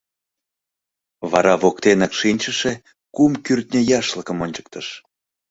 Вара воктенак шинчыше кум кӱртньӧ яшлыкым ончыктыш.